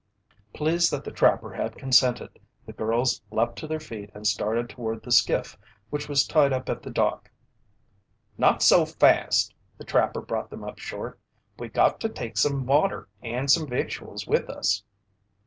Pleased that the trapper had consented, the girls leaped to their feet and started toward the skiff which was tied up at the dock. "Not so fast!" the trapper brought them up short. "We got to take some water and some victuals with us."